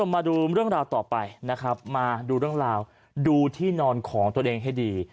มาดูเรื่องราวต่อไปนะครับมาดูเรื่องราวดูที่นอนของตัวเองให้ดี